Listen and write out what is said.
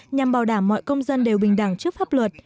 nhằm bảo đảm mọi công dân đều bình đẳng trước pháp luật